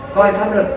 coi pháp luật